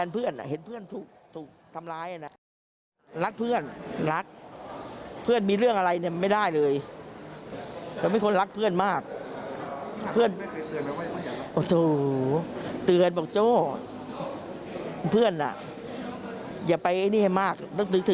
บอกไม่ต้องไปท่วงแม่กล้าให้สบาย